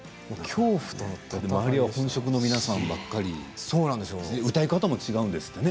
周りは本職の皆さんばっかり歌い方も違うんですってね